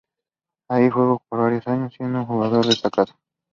Allí, jugó por varios años, siendo un jugador destacado.